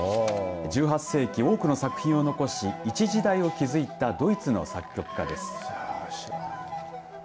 １８世紀、多くの作品を残し一時代を築いたドイツの作曲家です。